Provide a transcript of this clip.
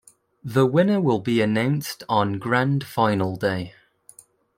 The winner will be announced on Grand Final day.